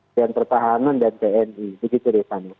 dan pertahanan dan tni begitu deh pak